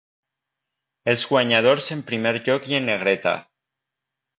Els guanyadors en primer lloc i en negreta.